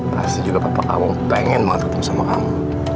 pasti juga kakak kamu pengen banget ketemu sama kamu